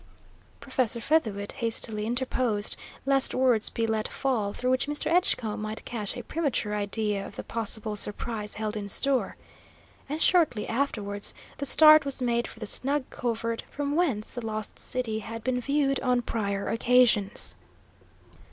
Professor Featherwit hastily interposed, lest words be let fall through which Mr. Edgecombe might catch a premature idea of the possible surprise held in store; and shortly afterwards the start was made for the snug covert from whence the Lost City had been viewed on prior occasions.